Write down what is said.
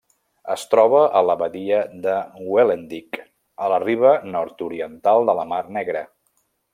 Es troba a la badia de Guelendjik, a la riba nord-oriental de la mar Negra.